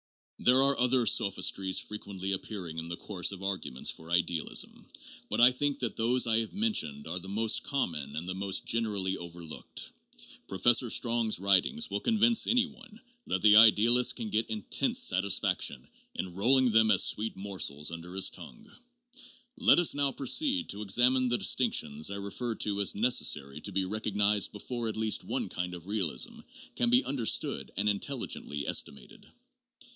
There are other sophistries frequently appearing in the course of arguments for idealism, but I think that those I have mentioned are the most common and the most generally overlooked. Pro fessor Strong's writings will convince any one that the idealist can get intense satisfaction in rolling them as sweet morsels under his tongue. Let us now proceed to examine the distinctions I referred to as necessary to be recognized before at least one kind of realism can be understood and intelligently estimated.